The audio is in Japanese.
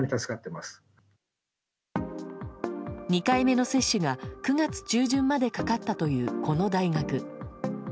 ２回目の接種が９月中旬までかかったという、この大学。